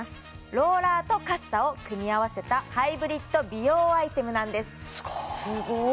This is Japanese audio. ローラーとカッサを組み合わせたハイブリッド美容アイテムなんですすごい！